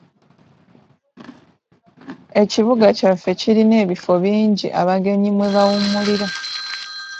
Ekibuga kyaffe kirina ebifo bingi abagenyi mwe bawummulira.